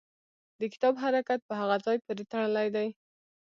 د کتاب حرکت په هغه ځای پورې تړلی دی.